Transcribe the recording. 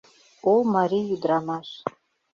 О марий ӱдырамаш!